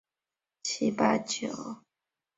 乾隆四十年再度重修。